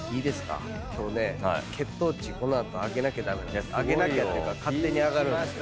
今日ね血糖値この後上げなきゃ駄目上げなきゃっていうか勝手に上がるんです。